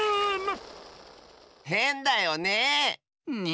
へんだよね。